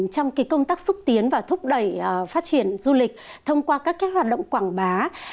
trong công tác xúc tiến và thúc đẩy phát triển du lịch thông qua các hoạt động quảng bá